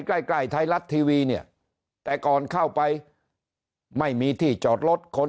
ใกล้ใกล้ไทยรัฐทีวีเนี่ยแต่ก่อนเข้าไปไม่มีที่จอดรถคน